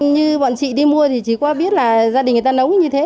như bọn chị đi mua thì chỉ có biết là gia đình người ta nấu như thế